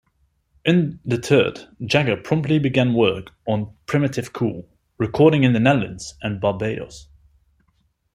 Undeterred, Jagger promptly began work on "Primitive Cool", recording in the Netherlands and Barbados.